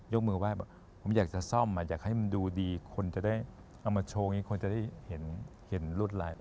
ยกมือว่ายบอกว่าผมอยากจะซ่อมมาอยากให้ดูดีเอาเอามาโชว์คงจะได้เห็นรวดลาย